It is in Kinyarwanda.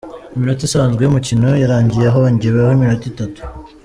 Iminota isanzwe y’umukino yarangiye hongeweho iminota itatu.